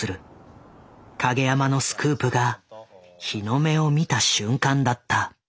影山のスクープが日の目を見た瞬間だった。